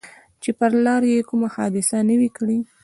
چې پر لاره یې کومه حادثه نه وي کړې.